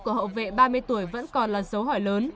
của hậu vệ ba mươi tuổi vẫn còn là dấu hỏi lớn